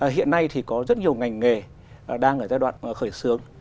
hiện nay thì có rất nhiều ngành nghề đang ở giai đoạn khởi xướng